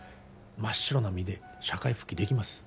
真っ白な身で社会復帰できます